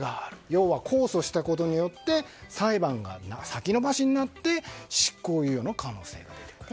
要は控訴したことで裁判が先延ばしになって執行猶予の可能性が出てくると。